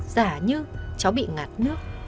giả như cháu bị ngạt nước